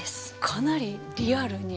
かなりリアルに。